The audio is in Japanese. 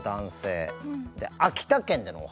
で秋田県でのお話ね。